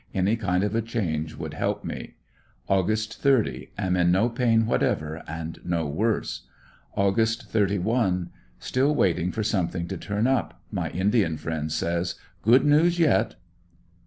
Any kind of a change would help me. Aug. 30. — Am in no pain whatever, and no worse. Aug. 31, — Still waiting for something to turn up. My Indian friend says: ''good news yet."